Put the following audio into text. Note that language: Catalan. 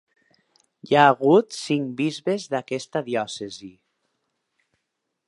Hi ha hagut cinc bisbes d'aquesta diòcesi.